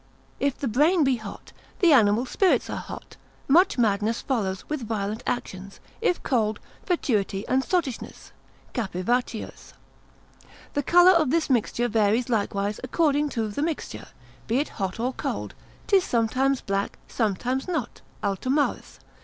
If the brain be hot, the animal spirits are hot; much madness follows, with violent actions: if cold, fatuity and sottishness, Capivaccius. The colour of this mixture varies likewise according to the mixture, be it hot or cold; 'tis sometimes black, sometimes not, Altomarus.